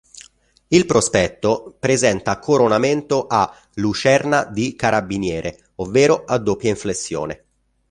Il prospetto presenta coronamento a "lucerna di carabiniere", ovvero a doppia inflessione.